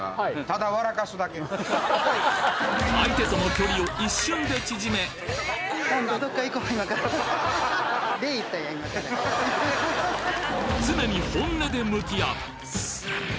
相手との距離を一瞬で縮め常に本音で向き合う